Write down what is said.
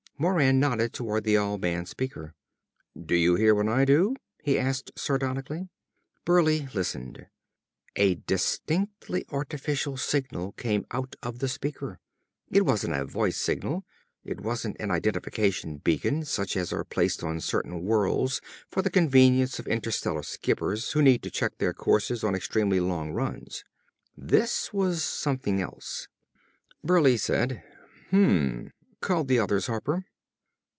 Moran nodded toward the all band speaker. "Do you hear what I do?" he asked sardonically. Burleigh listened. A distinctly artificial signal came out of the speaker. It wasn't a voice signal. It wasn't an identification beacon, such as are placed on certain worlds for the convenience of interstellar skippers who need to check their courses on extremely long runs. This was something else. Burleigh said: "Hm ... Call the others, Harper."